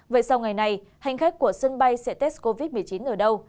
vậy sau ngày này hành khách của sân bay sẽ test covid một mươi chín ở đâu